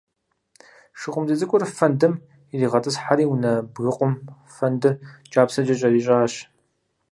ШыкъумцӀий цӀыкӀур фэндым иригъэтӀысхьэри унэ бгыкъум фэндыр кӀапсэкӀэ кӀэрищӀащ.